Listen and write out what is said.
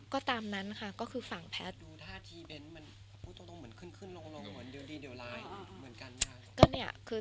ก็ตามนั้นค่ะทำงานฝั่งแพทย์